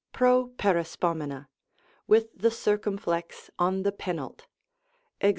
Properispomena, with the circumflex on the penult. JSx.